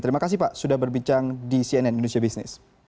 terima kasih pak sudah berbincang di cnn indonesia business